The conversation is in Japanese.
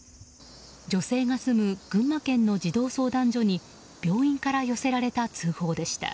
女性が住む群馬県の児童相談所に病院から寄せられた通報でした。